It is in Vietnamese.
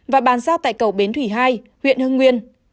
và bàn giao tại cầu bến thủy hai huyện hưng nguyên